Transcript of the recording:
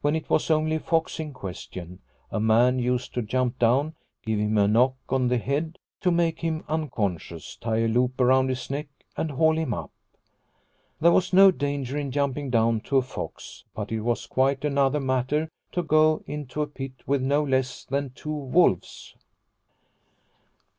When it was only a fox in question, a man used to jump down, give him a knock on the head to make him unconscious, tie a loop round his neck and haul him up. There was no danger in jumping down to a fox, but it was quite another matter to go into a pit with no less than two wolves.